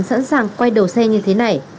sẵn sàng quay đầu xe như thế này